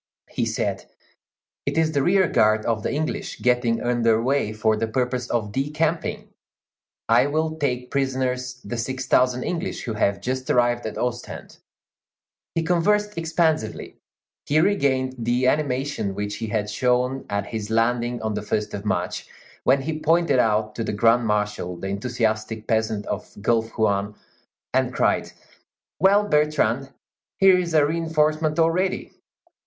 He said: "It is the rear guard of the English getting under way for the purpose of decamping. I will take prisoners the six thousand English who have just arrived at Ostend." He conversed expansively; he regained the animation which he had shown at his landing on the first of March, when he pointed out to the Grand Marshal the enthusiastic peasant of the Gulf Juan, and cried, "Well, Bertrand, here is a reinforcement already!"